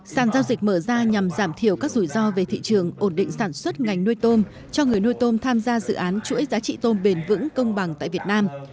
sản giao dịch mở ra nhằm giảm thiểu các rủi ro về thị trường ổn định sản xuất ngành nuôi tôm cho người nuôi tôm tham gia dự án chuỗi giá trị tôm bền vững công bằng tại việt nam